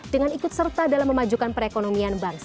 dengan ikut serta dalam memajukan perekonomian bangsa